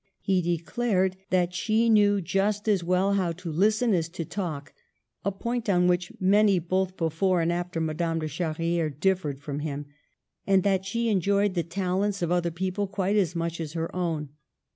He declared that she knew just as well how to listen as to talk (a point on which many both before and after Madame de Charrifere differed from him), and that she enjoyed the tal ents of other people quite as much as her own.